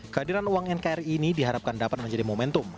kehadiran uang nkri ini diharapkan dapat menjadi momentum